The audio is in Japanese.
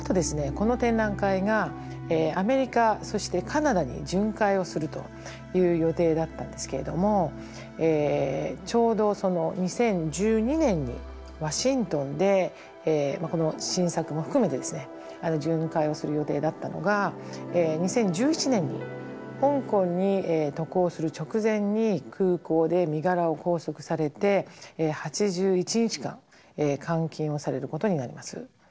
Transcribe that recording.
この展覧会がアメリカそしてカナダに巡回をするという予定だったんですけれどもちょうどその２０１２年にワシントンでこの新作も含めてですね巡回をする予定だったのが２０１１年に香港に渡航する直前に空港で身柄を拘束されて８１日間監禁をされることになります。